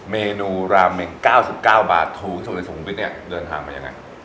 เมนูแรมมินคิงะปิอดิ๙๙บาทพูดที่ซุขุนวิชซุขุนวิชเนี่ยเดินทางมาอย่างไร